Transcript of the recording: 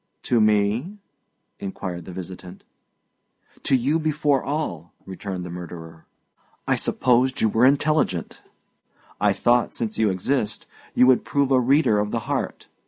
"To me?" inquired the visitant. "To you before all," returned the murderer. "I supposed you were intelligent. I thought since you exist you would prove a reader of the heart.